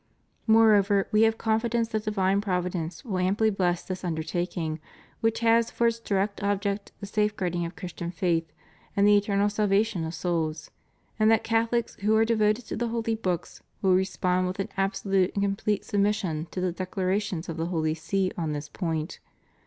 Moreover, We have confidence that divine Providence wdll amply bless this undertaking, which has for its direct object the safeguarding of Christian faith and the eternal salvation of souls, and that Catholics who are devoted to the Holy Books will respond with an absolute and com plete submission to the declarations of the Holy See on this point.